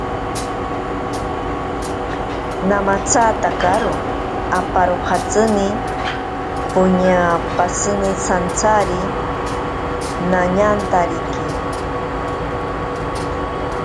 Namatsatakaro aparojatsini, poña pashine santsari nañantariki.